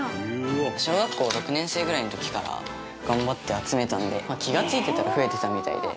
小学校６年生ぐらいの時から頑張って集めたんで気が付いたら増えてたみたいで。